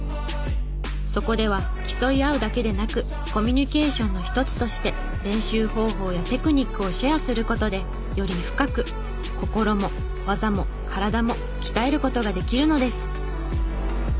そこでは競い合うだけでなくコミュニケーションの一つとして練習方法やテクニックをシェアする事でより深く心も技も体も鍛える事ができるのです。